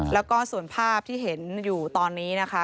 แล้วก็ส่วนภาพที่เห็นอยู่ตอนนี้นะคะ